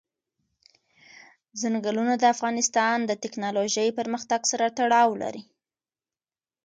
ځنګلونه د افغانستان د تکنالوژۍ پرمختګ سره تړاو لري.